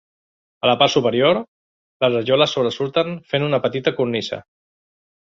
A la part superior, les rajoles sobresurten fent una petita cornisa.